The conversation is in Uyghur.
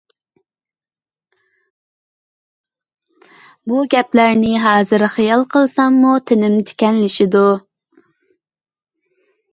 بۇ گەپلەرنى ھازىر خىيال قىلساممۇ تېنىم تىكەنلىشىدۇ.